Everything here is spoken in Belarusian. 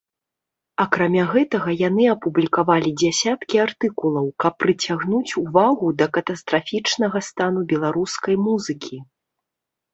Акрамя гэтага яны апублікавалі дзясяткі артыкулаў, каб прыцягнуць увагу да катастрафічнага стану беларускай музыкі.